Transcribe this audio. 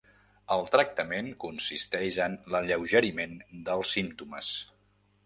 El tractament consisteix en l'alleugeriment dels símptomes.